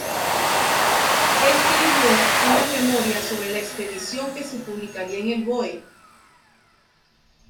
Escribió una memoria sobre la expedición que se publicaría en el boe.